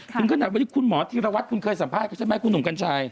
ถึงขนาดวันนี้คุณหมอธีรวัตรคุณเคยสัมภาษณ์เขาใช่ไหมคุณหนุ่มกัญชัย